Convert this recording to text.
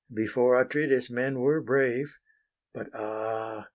Before Atrides men were brave: But ah!